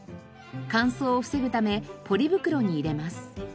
乾燥を防ぐためポリ袋に入れます。